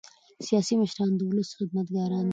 سیاسي مشران د ولس خدمتګاران دي